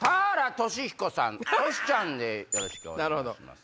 トシちゃんでよろしくお願いします。